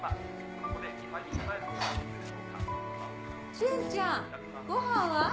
・俊ちゃんごはんは？